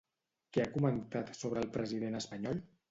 Què ha comentat sobre el president espanyol?